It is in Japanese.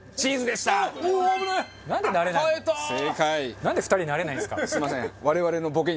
なんで２人慣れないんですか。